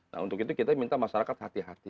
nah untuk itu kita minta masyarakat hati hati